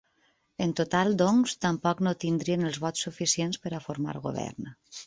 En total, doncs, tampoc no tindrien els vots suficients per a formar govern.